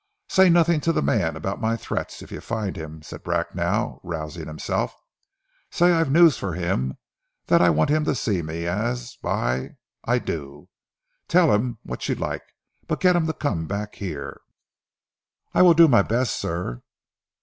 "Say nothing to the man about my threats, if you find him," said Bracknell, rousing himself. "Say I've news for him, that I want to see him; as by I do! Tell him what you like, but get him to come back here." "I will do my best, sir!"